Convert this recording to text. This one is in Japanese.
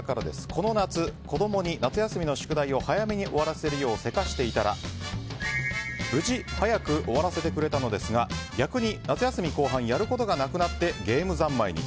この夏、子供に夏休みの宿題を早く終わらせるようせかしていたら、無事早く終わらせてくれたのですが逆に夏休み後半やることがなくなってゲームざんまいに。